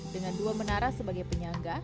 dengan dua menara sebagai penyangga